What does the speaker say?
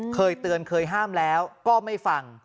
เคยเตือนเคยห้ามแล้วก็ไม่ฟัง